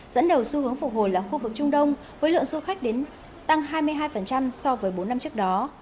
dẫn đầu xu hướng phục hồi là khu vực trung đông với lượng du khách tăng hai mươi hai so với bốn năm trước đó